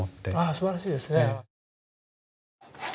あすばらしいですね。